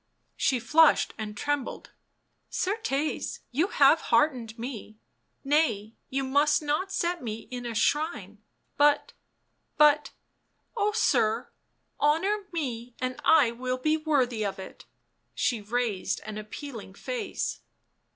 She flushed and trembled. " Certes, you have heartened me — nay, you must not set me in a shrine — but, but Oh, sir, honour me and I will be worthy of it." She raised an appealing face.